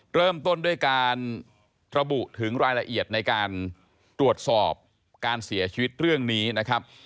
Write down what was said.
เริ่มต้นด้วยการระบุถึงรายละเอียดในการตรวจสอบการเสียชีวิตเรื่องนี้นะครับ